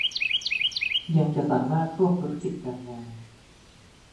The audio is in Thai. ยังจะสามารถร่วมธุรกิจการงาน